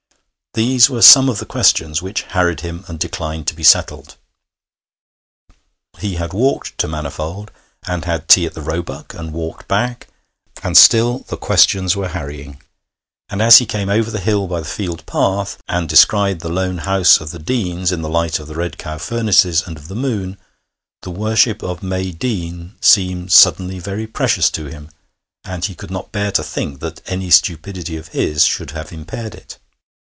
These were some of the questions which harried him and declined to be settled. He had walked to Manifold, and had tea at the Roebuck, and walked back, and still the questions were harrying; and as he came over the hill by the field path, and descried the lone house of the Deanes in the light of the Red Cow furnaces and of the moon, the worship of May Deane seemed suddenly very precious to him, and he could not bear to think that any stupidity of his should have impaired it.